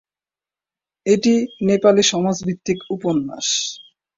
এটি নেপালি সমাজ ভিত্তিক উপন্যাস।